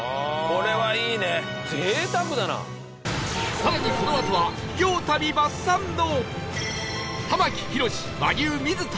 さらにこのあとは秘境旅バスサンド！